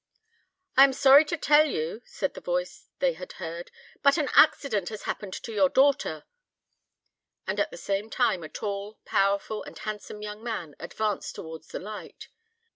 "I am sorry to tell you," said the voice they had heard, "that an accident has happened to your daughter;" and at the same time a tall, powerful, and handsome young man advanced towards the light.